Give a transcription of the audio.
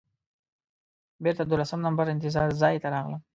بېرته دولسم نمبر انتظار ځای ته راغلم.